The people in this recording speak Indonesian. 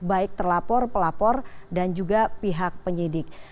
baik terlapor pelapor dan juga pihak penyidik